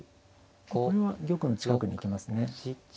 これは玉の近くに行きますね。